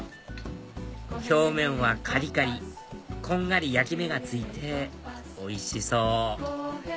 表面はカリカリこんがり焼き目がついておいしそう！